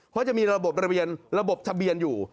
เพราะจะมีระบบระเบียนระบบทะเบียนอยู่